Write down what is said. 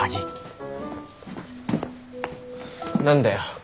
何だよ。